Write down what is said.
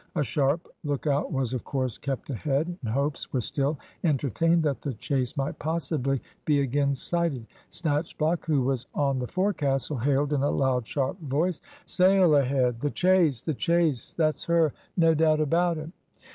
A sharp lookout was, of course, kept ahead, and hopes were still entertained that the chase might possibly be again sighted. Snatchblock, who was on the forecastle, hailed in a loud, sharp voice, "Sail ahead! the chase! the chase! That's her! No doubt about it."